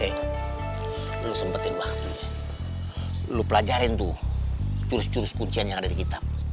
eh lo sempetin waktu lo pelajarin tuh curus curus kuncian yang ada di kitab